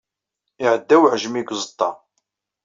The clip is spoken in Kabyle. Iɛedda uɛejmi deg uẓeṭṭa.